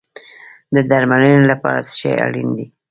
د درملنې لپاره څه شی اړین دی؟